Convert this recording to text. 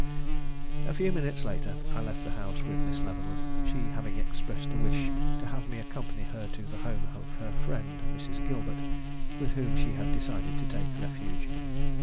A few minutes later, I left the house with Miss Leavenworth, she having expressed a wish to have me accompany her to the home of her friend, Mrs. Gilbert, with whom she had decided to take refuge.